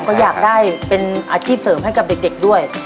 ก็อยากได้เป็นอาชีพเสริมให้กับเด็กด้วย